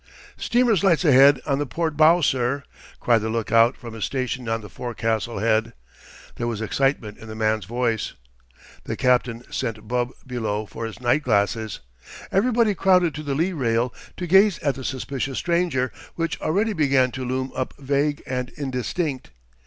"Steamer's lights ahead on the port bow, sir!" cried the lookout from his station on the forecastle head. There was excitement in the man's voice. The captain sent Bub below for his night glasses. Everybody crowded to the lee rail to gaze at the suspicious stranger, which already began to loom up vague and indistinct.